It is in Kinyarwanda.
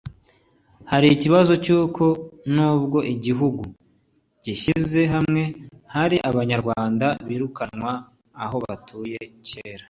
Hari ikibazo cy’uko n’ubwo ibihugu byishyize hamwe hari Abanyarwanda birukanwa aho batuye cyera